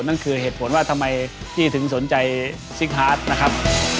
นั่นคือเหตุผลว่าทำไมพี่ถึงสนใจซิกฮาร์ดนะครับ